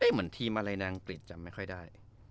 เหมือนทีมอะไรนางปริศจะไม่ค่อยได้